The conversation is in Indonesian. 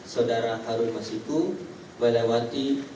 saudara harum masiku melewati